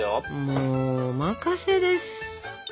もうお任せです。